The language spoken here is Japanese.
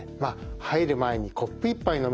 入る前にコップ１杯の水。